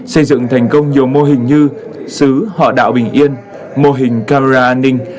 xây dựng thành công nhiều mô hình như xứ họ đạo bình yên mô hình camera an ninh